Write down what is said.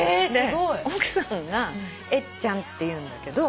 奥さんがえっちゃんっていうんだけど。